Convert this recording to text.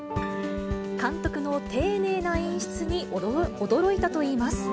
監督の丁寧な演出に驚いたといいます。